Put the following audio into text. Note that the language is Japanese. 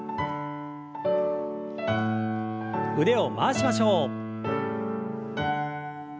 腕を回しましょう。